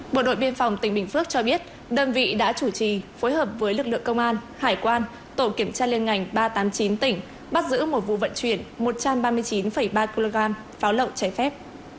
bộ đội biên phòng tỉnh bình phước cho biết đơn vị đã chủ trì phối hợp với lực lượng công an hải quan tổ kiểm tra liên ngành ba trăm tám mươi chín tỉnh bắt giữ một vụ vận chuyển một trăm ba mươi chín ba kg pháo lậu cháy phép